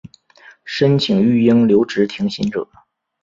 申请育婴留职停薪者